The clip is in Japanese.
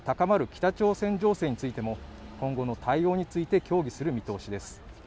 北朝鮮情勢についても今後の対応について協議する見通しです